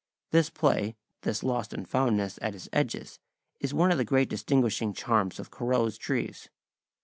This play, this lost and foundness at his edges is one of the great distinguishing charms of Corot's trees.